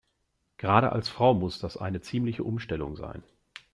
Gerade als Frau muss das eine ziemliche Umstellung sein.